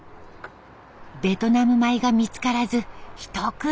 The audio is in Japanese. ベトナム米が見つからず一苦労。